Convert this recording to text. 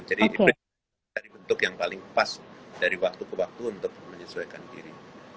jadi kita mencari bentuk yang paling pas dari waktu ke waktu untuk menyesuaikan diri